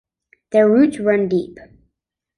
Their roots run deep.